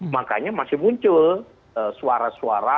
makanya masih muncul suara suara